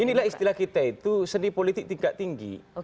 inilah istilah kita itu seni politik tingkat tinggi